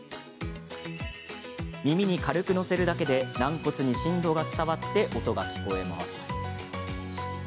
耳に軽くのせるだけで軟骨に振動が伝わり音が聞こえます。